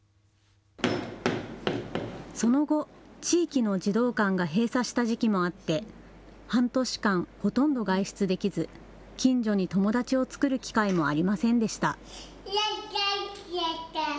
その後、地域の児童館が閉鎖した時期もあって半年間ほとんど外出できず、近所に友達を作る機会もありませんでした。